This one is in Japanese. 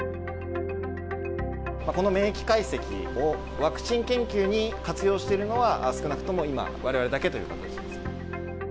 この免疫解析をワクチン研究に活用しているのは、少なくとも今、われわれだけという形ですね。